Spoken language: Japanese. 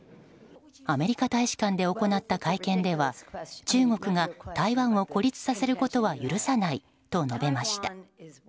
アメリカ大使館で行った会見では中国が台湾を孤立させることは許さないと述べました。